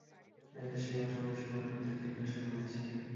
এদেশী এবং স্বদেশী পণ্ডিতদের জিজ্ঞাসা করেছি।